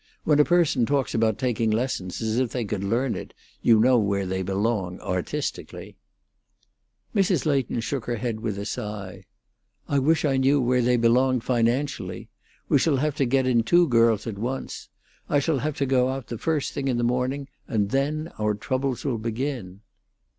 When a person talks about taking lessons, as if they could learn it, you know where they belong artistically." Mrs. Leighton shook her head with a sigh. "I wish I knew where they belonged financially. We shall have to get in two girls at once. I shall have to go out the first thing in the morning, and then our troubles will begin."